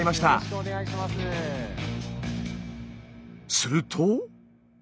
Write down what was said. すると。